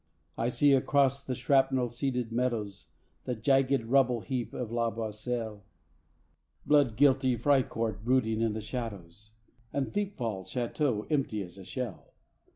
I see across the shrapnel seeded meadows The jagged rubble heap of La Boiselle; Blood guilty Fricourt brooding in the shadows, And Thiepval's chateau empty as a shell.